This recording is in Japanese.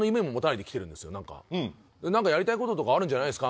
「何かやりたいこととかあるんじゃないですか？」。